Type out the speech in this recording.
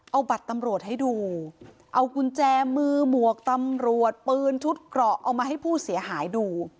เอาบัตรตำรวจให้ดูเอากุญแจมือหมวกตำรวจปืนชุดเกราะเอามาให้ผู้เสียหายดู